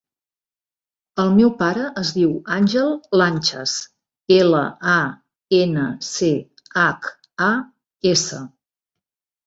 El meu pare es diu Àngel Lanchas: ela, a, ena, ce, hac, a, essa.